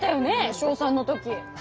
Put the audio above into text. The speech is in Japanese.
小３の時。